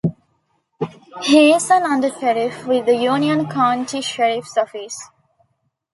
He is an Undersheriff with the Union County Sheriff's Office.